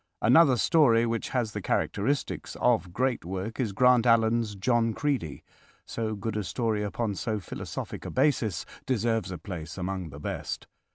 Another story which has the characteristics of great work is Grant Allen's "John Creedy." So good a story upon so philosophic a basis deserves a place among the best.